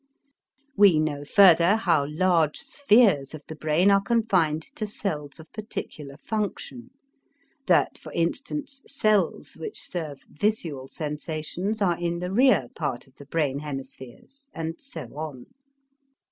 We know further how large spheres of the brain are confined to cells of particular function, that for instance cells which serve visual sensations are in the rear part of the brain hemispheres, and so on.